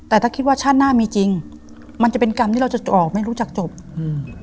แต่ถ้าคิดว่าชาติหน้ามีจริงมันจะเป็นกรรมที่เราจะออกไม่รู้จักจบอืม